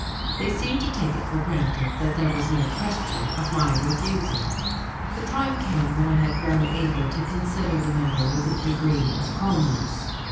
They seemed to take it for granted that there was no question of my refusing. The time came when I had grown able to consider the matter with a degree of calmness.